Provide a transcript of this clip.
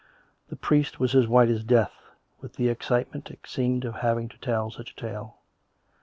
The priest was as white as death, with the excitement, it seemed, of having to tell such a tale.